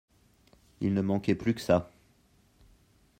Il ne manquait plus que ça.